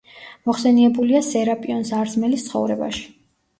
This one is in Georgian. მოხსენიებულია „სერაპიონ ზარზმელის ცხოვრებაში“.